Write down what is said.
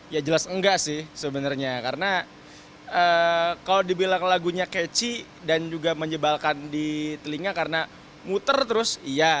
ya jelas enggak sih sebenarnya karena kalau dibilang lagunya keci dan juga menyebalkan di telinga karena muter terus iya